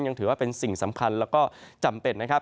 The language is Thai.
ยังถือว่าเป็นสิ่งสำคัญแล้วก็จำเป็นนะครับ